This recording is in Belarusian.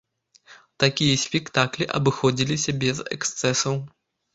Такія спектаклі абыходзіліся без эксцэсаў.